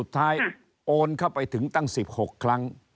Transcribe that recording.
แล้วสุดท้ายโอนเข้าไปถึงตั้งสิบหกครั้ง